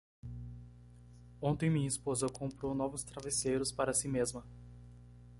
Ontem minha esposa comprou novos travesseiros para si mesma.